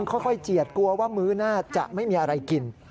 ค่อยเจียดกลัวว่ามื้อน่าจะไม่มีอะไรกิน